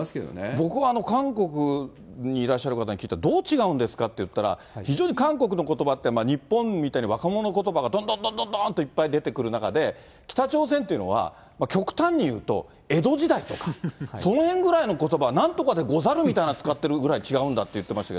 僕、韓国にいらっしゃる方に聞いたら、どう違うんですかって聞いたら、非常に韓国のことばって日本みたいに若者ことばがどんどんどんどんどんといっぱい出てくる中で、北朝鮮っていうのは、極端に言うと、江戸時代とかそのへんぐらいのことば、なんとかでござるみたいの使ってるぐらい違うんだって言ってまし